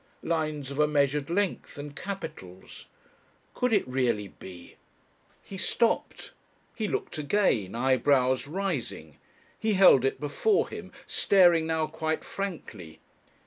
Lines of a measured length and capitals! Could it really be ? He stopped. He looked again, eyebrows rising. He held it before him, staring now quite frankly.